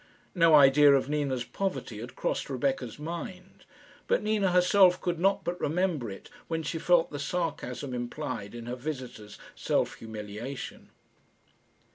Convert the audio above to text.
No idea of Nina's poverty had crossed Rebecca's mind, but Nina herself could not but remember it when she felt the sarcasm implied in her visitor's self humiliation.